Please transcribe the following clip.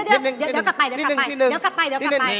เดี๋ยวกลับไป